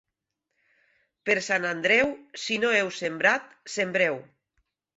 Per Sant Andreu, si no heu sembrat sembreu.